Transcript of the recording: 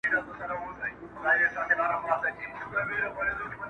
یوه ورځ لاري جلا سوې د یارانو!.